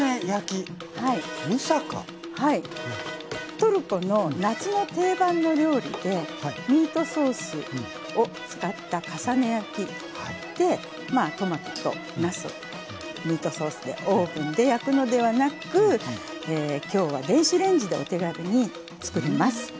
トルコの夏の定番の料理でミートソースを使った重ね焼きでトマトとなすをミートソースでオーブンで焼くのではなくきょうは電子レンジでお手軽に作ります。